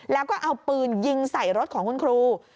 แล้วก็เอาปืนยิงใส่รถของคุณครู